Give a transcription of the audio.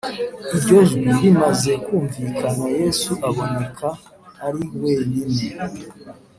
Iryo jwi rimaze kumvikana yesu aboneka ari wenyine